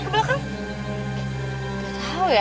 tidak tahu ya